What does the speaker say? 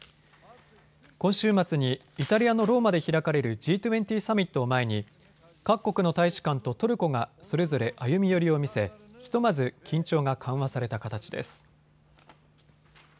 今週末にイタリアのローマで開かれるＧ２０サミットを前に各国の大使館とトルコがそれぞれ歩み寄りを見せひとまず緊張が緩和された形です。